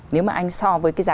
nếu mà anh so với cái giá